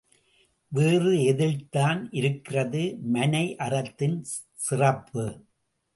வேறு எதில்தான் இருக்கிறது மனையறத்தின் சிறப்பு?